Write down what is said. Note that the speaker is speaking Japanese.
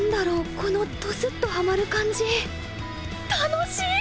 このトスッとハマる感じ楽しい！